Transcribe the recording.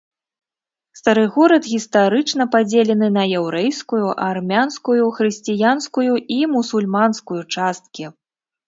Стары горад гістарычна падзелены на яўрэйскую, армянскую, хрысціянскую і мусульманскую часткі.